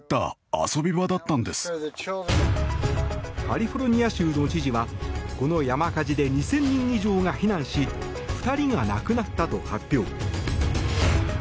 カリフォルニア州の知事はこの山火事で２０００人以上が避難し２人が亡くなったと発表。